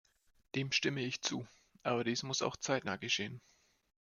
Dem stimme ich zu, aber dies muss auch zeitnah geschehen.